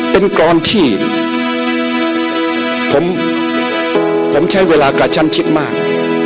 เป็นกรอนที่ผมใช้เวลากระชั้นชิดมาก